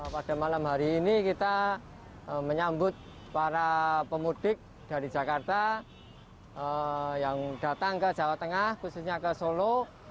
pada malam hari ini kita menyambut para pemudik dari jakarta yang datang ke jawa tengah khususnya ke solo